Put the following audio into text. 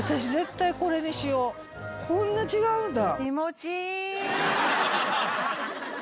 こんな違うんだ。